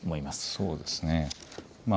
そうですね。